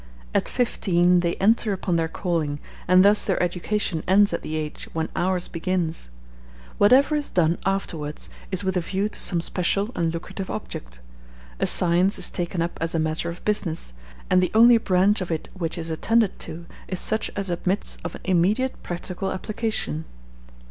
At fifteen they enter upon their calling, and thus their education ends at the age when ours begins. Whatever is done afterwards is with a view to some special and lucrative object; a science is taken up as a matter of business, and the only branch of it which is attended to is such as admits of an immediate practical application.